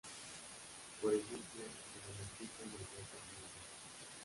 Por ejemplo, se domestica mangostas en India.